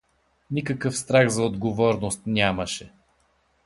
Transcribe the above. Никакъв страх за отговорност нямаше.